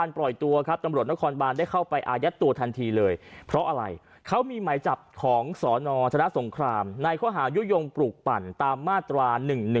ปล่อยตัวครับตำรวจนครบานได้เข้าไปอายัดตัวทันทีเลยเพราะอะไรเขามีหมายจับของสนชนะสงครามในข้อหายุโยงปลูกปั่นตามมาตรา๑๑๒